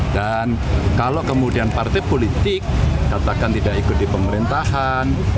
dan kalau kemudian partai politik katakan tidak ikut di pemerintahan